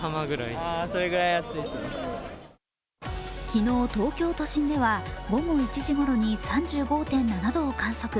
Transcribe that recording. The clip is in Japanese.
昨日東京都心では午後１時ごろに３５．７度を観測。